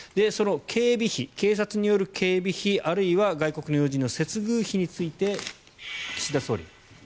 警備費、警察による警備費あるいは外国要人の接遇費について、岸田総理。